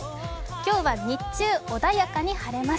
今日は日中、穏やかに晴れます。